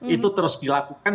itu terus dilakukan